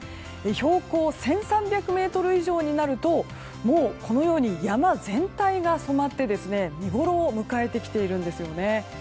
標高１３００ｍ以上になるとこのように山全体が染まって見ごろを迎えてきているんですよね。